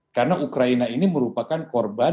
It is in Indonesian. karena ukraina ini merupakan korban